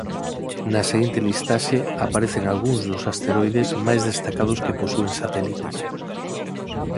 Na seguinte listaxe aparecen algúns dos asteroides máis destacados que posúen satélites.